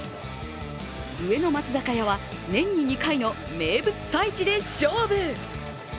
上野松坂屋は年に２回の名物催事で勝負。